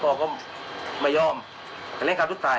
พวก็ไม่ยอมเล่นการทุกท่าย